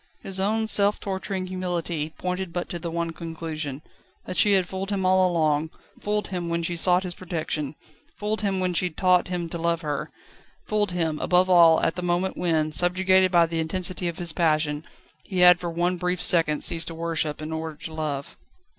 His own self torturing humility pointed but to the one conclusion: that she had fooled him all along; fooled him when she sought his protection; fooled him when she taught him to love her; fooled him, above all, at the moment when, subjugated by the intensity of his passion, he had for one brief second ceased to worship in order to love.